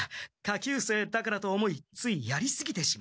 下級生だからと思いついやりすぎてしまった。